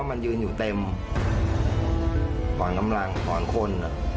กูกลัว